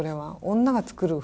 女が作る服。